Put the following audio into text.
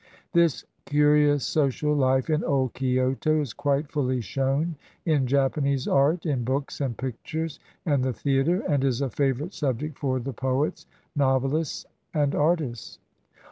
This curious social life in old Kioto is quite fully shown in Japanese art, in books and pictures, and the theater, and is a favorite subject for the poets, novelists, and ar tists.